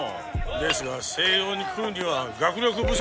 ですが星葉に来るには学力不足